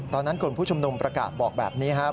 ตอนนั้นกลุ่มผู้ชุมนุมประกาศบอกแบบนี้ครับ